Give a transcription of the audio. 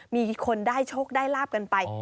มีคนได้โชคได้ลาบกันไป